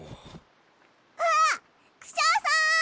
あっクシャさん！